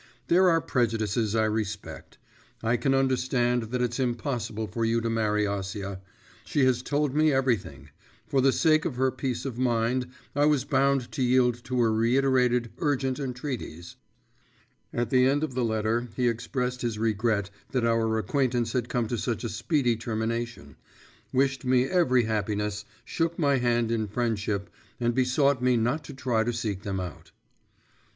There are prejudices I respect; I can understand that it's impossible for you to marry Acia. She has told me everything; for the sake of her peace of mind, I was bound to yield to her reiterated urgent entreaties.' At the end of the letter he expressed his regret that our acquaintance had come to such a speedy termination, wished me every happiness, shook my hand in friendship, and besought me not to try to seek them out.